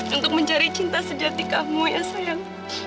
untuk mencari cinta sejati kamu ya sayang